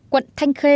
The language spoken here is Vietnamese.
quận thanh khê tp đn